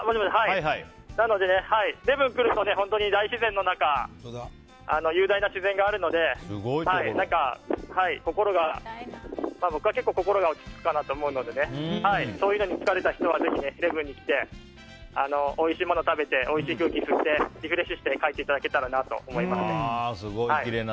なので、礼文来ると大自然の中雄大な自然があるので僕は結構心が落ち着くかと思うのでそういうのに疲れた人はぜひ礼文に来ておいしいものを食べておいしい空気を吸ってリフレッシュして帰っていただけたらと思うので。